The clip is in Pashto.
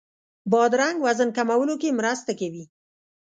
بادرنګ وزن کمولو کې مرسته کوي.